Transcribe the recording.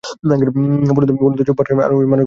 বলুন তো, জুপ পার্ক আর ঐ মানুষগুলোর কী হয়েছিল?